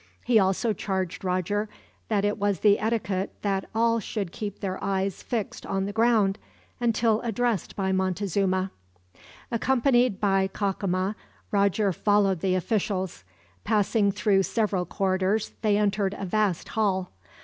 He also charged Roger that it was the etiquette that all should keep their eyes fixed on the ground, until addressed by Montezuma. Accompanied by Cacama, Roger followed the officials. Passing through several corridors they entered a vast hall.